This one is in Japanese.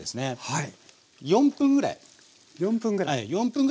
はい。